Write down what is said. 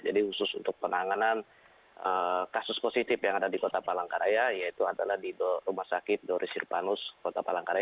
jadi khusus untuk penanganan kasus positif yang ada di kota palangkaraya yaitu adalah di rumah sakit doris sirpanus kota palangkaraya